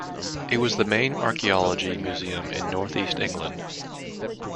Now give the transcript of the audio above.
It was the main archaeology museum in north east England.